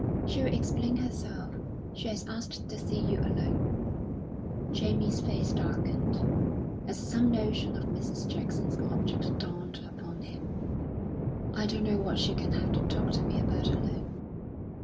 "She'll explain herself. She has asked to see you alone." Jamie's face darkened, as some notion of Mrs. Jackson's object dawned upon him. "I don't know what she can have to talk to me about alone."